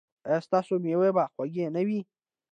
ایا ستاسو میوه به خوږه نه وي؟